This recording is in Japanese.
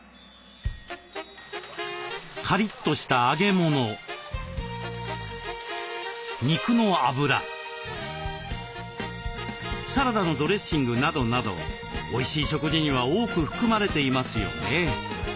カリッとした揚げ物肉のあぶらサラダのドレッシングなどなどおいしい食事には多く含まれていますよね。